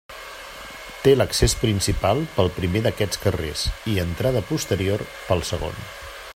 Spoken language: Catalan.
Té l'accés principal pel primer d'aquests carrers i entrada posterior pel segon.